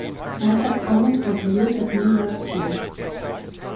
"Metacomet" was built at New York City.